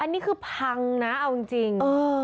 อันนี้คือพังนะเอาจริง